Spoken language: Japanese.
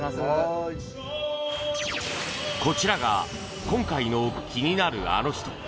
こちらが今回の気になるアノ人